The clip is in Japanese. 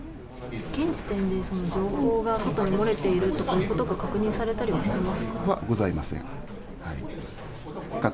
現時点で情報が外に漏れているということが確認されたりはしてますか？